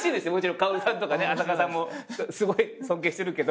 薫さんとかね朝加さんもすごい尊敬してるけど。